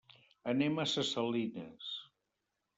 Anem a ses Salines.